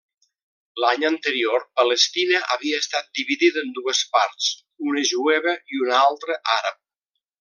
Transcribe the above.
L'any anterior Palestina havia estat dividida en dues parts: una jueva i una altra àrab.